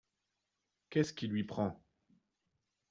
Qu'est-ce qui lui prend ?